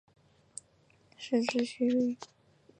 该使馆位于华盛顿特区之使馆区内。